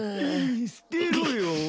捨てろよ。